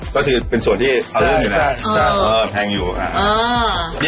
ก็คือเป็นส่วนที่อร่อยอยู่นะ